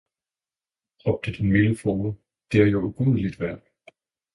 råbte den milde frue, det er jo ugudeligt værk!